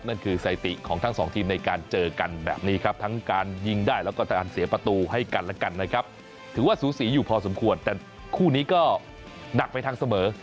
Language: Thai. นั่นคือสถิติของทั้งสองทีมในการเจอกันแบบนี้ครับทั้งการยิงได้แล้วก็การเสียประตูให้กันและกันนะครับถือว่าสูสีอยู่พอสมควรแต่คู่นี้ก็หนักไปทางเสมอ